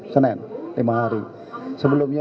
senin lima hari sebelumnya